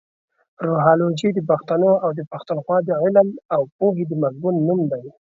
روهالوجي د پښتنو اٶ د پښتونخوا د علم اٶ پوهې د مضمون نوم دې.